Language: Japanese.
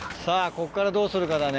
ここからどうするかだね。